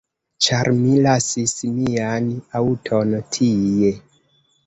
Ĉar mi lasis mian aŭton tie